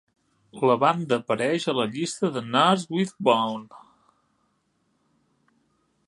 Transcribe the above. La banda apareix a la llista de Nurse with Wound.